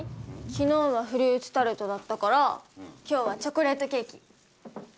昨日はフルーツタルトだったから今日はチョコレートケーキ？